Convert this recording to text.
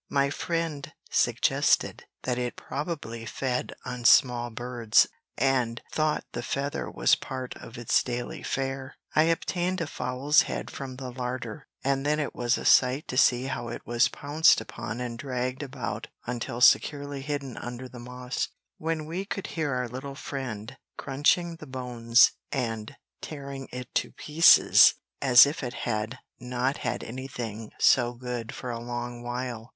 My friend suggested that it probably fed on small birds and thought the feather was part of its daily fare. I obtained a fowl's head from the larder, and then it was a sight to see how it was pounced upon and dragged about until securely hidden under the moss, when we could hear our little friend crunching the bones and tearing it to pieces as if he had not had anything so good for a long while.